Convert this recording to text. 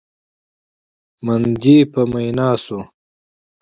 من دې په مينا شو؟!